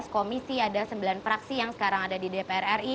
komisi ada sembilan fraksi yang sekarang ada di dpr ri